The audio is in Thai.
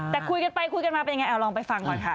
แต่คุยกันไปคุยกันมาเป็นยังไงเอาลองไปฟังก่อนค่ะ